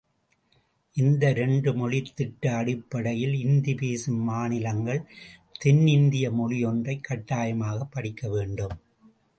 இந்த இரண்டு மொழித் திட்ட அடிப்படையில் இந்தி பேசும் மாநிலங்கள் தென் இந்திய மொழி ஒன்றைக் கட்டாயமாகப் படிக்கவேண்டும்.